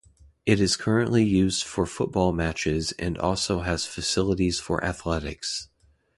It is currently used for football matches and also has facilities for athletics.